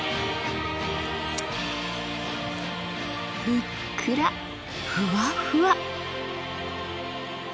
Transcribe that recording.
ふっくらふわふわ！